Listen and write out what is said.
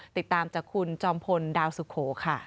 ติดตามจากคุณจอมพลดาวสุโขค่ะ